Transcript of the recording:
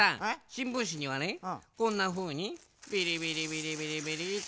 しんぶんしにはねこんなふうにビリビリビリビリビリッて。